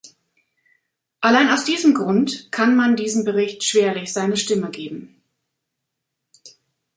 Allein aus diesem Grund, kann man diesem Bericht schwerlich seine Stimme geben.